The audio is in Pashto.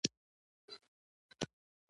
د ساتنې او څارنې لپاره یې هڅه وکړو او ویې روزو.